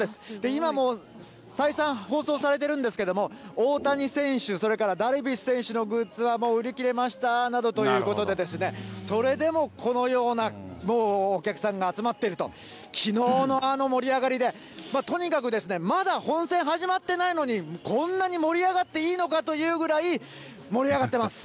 今も再三、放送されてるんですけれども、大谷選手、それからダルビッシュ選手のグッズはもう売り切れましたなどということで、それでもこのような、もうお客さんが集まっていると、きのうのあの盛り上がりで、とにかくまだ本戦始まってないのに、こんなに盛り上がっていいのかというぐらい、盛り上がってます。